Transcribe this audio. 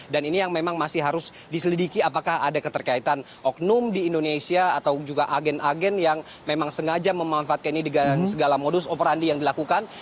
dan ini yang memang masih harus diselidiki apakah ada keterkaitan oknum di indonesia atau juga agen agen yang memang sengaja memanfaatkan ini dengan segala modus operandi yang dilakukan